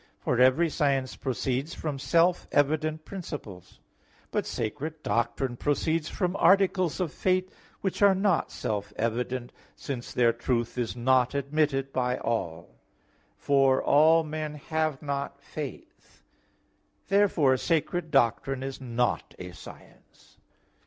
For every science proceeds from self evident principles. But sacred doctrine proceeds from articles of faith which are not self evident, since their truth is not admitted by all: "For all men have not faith" (2 Thess. 3:2). Therefore sacred doctrine is not a science.